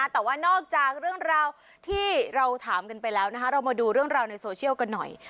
แต่ว่านอกจากเรื่องราวที่เราถามกันไปแล้วนะคะเรามาดูเรื่องราวในโซเชียลกันหน่อย